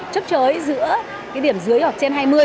chấp chới giữa cái điểm dưới hoặc trên hai mươi